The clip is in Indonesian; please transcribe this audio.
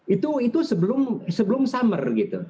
itu sebelum summer